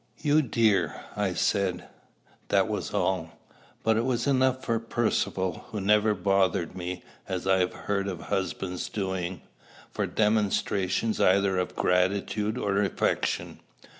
"You dear!" I said. That was all; but it was enough for Percivale, who never bothered me, as I have heard of husbands doing, for demonstrations either of gratitude or affection.